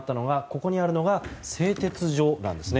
ここにあるのが製鉄所なんです。